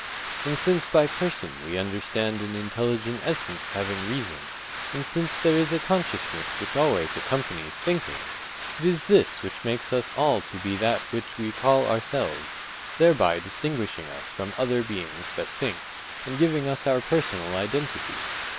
And since by person we understand an intelligent essence having reason, and since there is a consciousness which always accompanies thinking, it is this which makes us all to be that which we call _ourselves_—thereby distinguishing us from other beings that think, and giving us our personal identity.